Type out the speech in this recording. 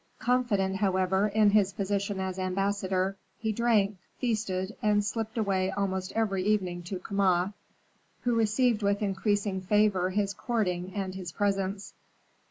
Confident, however, in his position as ambassador, he drank, feasted, and slipped away almost every evening to Kama, who received with increasing favor his courting and his presents.